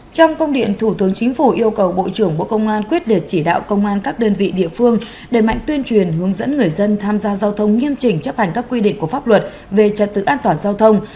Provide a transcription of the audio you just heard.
trong công điện thủ tướng chính phủ yêu cầu bộ trưởng bộ công an quyết liệt chỉ đạo công an các đơn vị địa phương đẩy mạnh tuyên truyền hướng dẫn người dân tham gia giao thông nghiêm trình chấp hành các quy định của pháp luật về trật tự an toàn giao thông